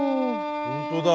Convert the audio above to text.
ほんとだ！